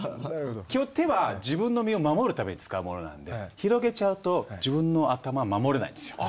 基本手は自分の身を守るために使うものなんで広げちゃうと自分の頭守れないんですよ。